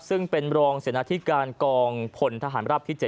ซึ่งเป็นรองเสนาธิการกองพลทหารราบที่๗